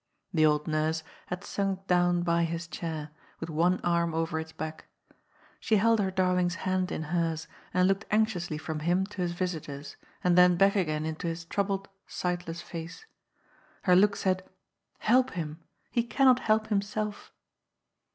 The old nurse had sunk down by this chair, with one arm over its back. She held her darling's hand in hers and looked anx iously from him to his visitors, and then back again into his troubled, sightless face. Her look said :*^ Help him ! He cannot help himself